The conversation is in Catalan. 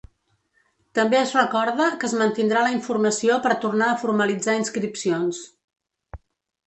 També es recorda que es mantindrà la informació per tornar a formalitzar inscripcions.